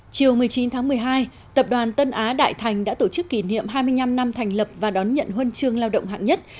chiều một mươi chín tháng một mươi hai tập đoàn tân á đại thành đã tổ chức kỷ niệm hai mươi năm năm thành lập và đón nhận huân chương lao động hạng nhất